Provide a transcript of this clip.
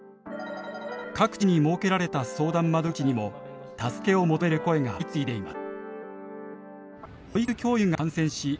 各地に設けられた相談窓口にも助けを求める声が相次いでいます。